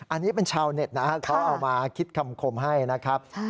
อันนี้เป็นชาวเน็ตนะครับเขาเอามาคิดคำคมให้นะครับ